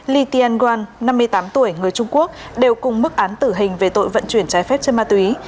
li tian guan năm mươi tám tuổi người trung quốc đều cùng mức án tử hình về tội vận chuyển trái phép chân ma túy